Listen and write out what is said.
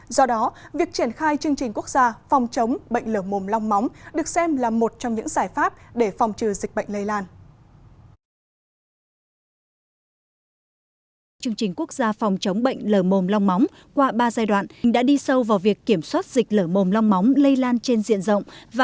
do đó việc triển khai chương trình quốc gia phòng chống bệnh lở mồm long móng được xem là một trong những giải pháp để phòng trừ dịch bệnh lây lan